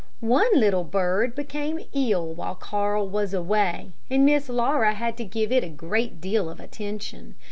One little bird became ill while Carl was away, and Miss Laura had to give it a great deal of attention.